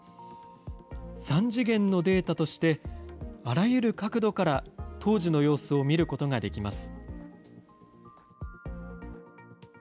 ３次元のデータとして、あらゆる角度から当時の様子を見ることができます。